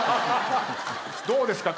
どうですか？